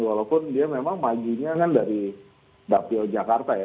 walaupun dia memang majunya kan dari dapil jakarta ya